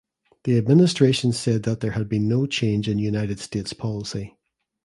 The administration said that there had been no change in United States policy.